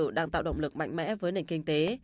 quân sự đang tạo động lực mạnh mẽ với nền kinh tế